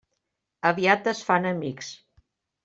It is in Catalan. Aviat es fan amics.